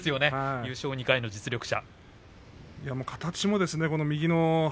優勝２回の実力者。